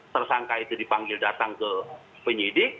tersangka itu dipanggil datang ke penyidik